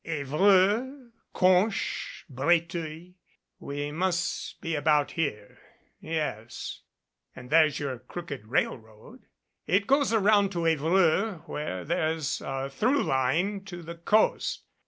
"Evreux, Conches, Breteuil we must be about here yes and there's your crooked railroad. It goes around to Evreux, where there's a through line to the coast.